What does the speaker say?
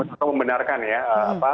atau membenarkan ya apa